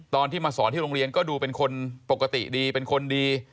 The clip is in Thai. ตอนที่มาสอนที่โรงเรียนก็ดูเป็นคนปกติดีเป็นคนดี